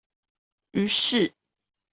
於是